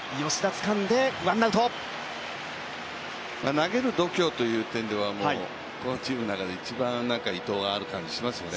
投げる度胸という点ではこのチームの中で伊藤が一番ある感じがしますよね。